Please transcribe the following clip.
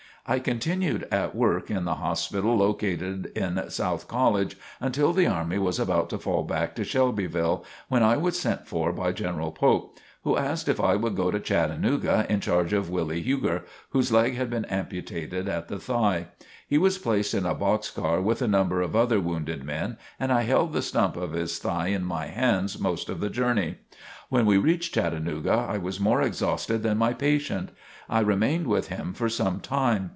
I continued at work in the hospital located in Soule College until the army was about to fall back to Shelbyville, when I was sent for by General Polk, who asked if I would go to Chattanooga in charge of Willie Huger, whose leg had been amputated at the thigh. He was placed in a box car with a number of other wounded men and I held the stump of his thigh in my hands most of the journey. When we reached Chattanooga I was more exhausted than my patient. I remained with him for some time.